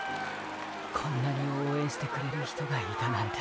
こんなに応援してくれる人がいたなんて。